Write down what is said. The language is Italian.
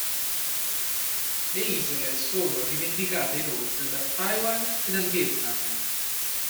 Le isole sono rivendicate inoltre da Taiwan e dal Vietnam.